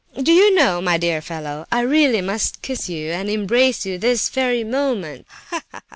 Do you know, my dear fellow, I really must kiss you, and embrace you, this very moment. Ha, ha!